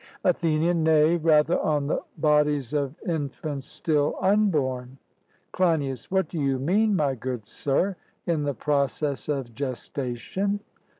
ATHENIAN: Nay, rather on the bodies of infants still unborn. CLEINIAS: What do you mean, my good sir? In the process of gestation?